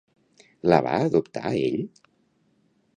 La va adoptar ell?